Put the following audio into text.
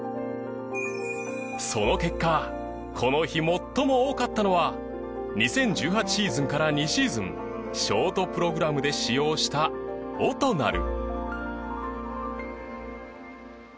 その結果この日最も多かったのは２０１８シーズンから２シーズンショートプログラムで使用した『Ｏｔｏａｌ』。